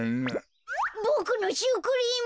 ボクのシュークリーム！